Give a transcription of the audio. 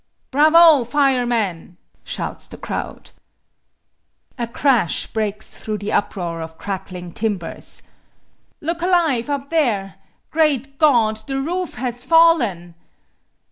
"Bravo, fireman!" shouts the crowd. A crash breaks through the uproar of crackling timbers. "Look alive, up there! Great God! The roof has fallen!"